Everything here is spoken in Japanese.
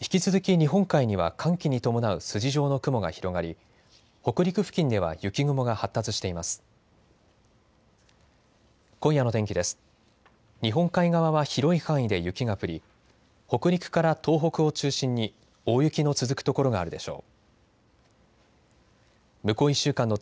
日本海側は広い範囲で雪が降り、北陸から東北を中心に大雪の続く所があるでしょう。